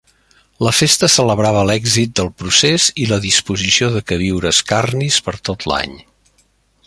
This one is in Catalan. La festa celebrava l'èxit del procés i la disposició de queviures carnis per tot l'any.